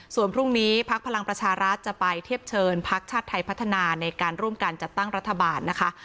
ส่วนพรุ่งนี้พักพลังประชารัฐจะไปเทียบเชิญพักชาติไทยพัฒนาในการร่วมกันจัดตั้งรัฐบาลนะคะ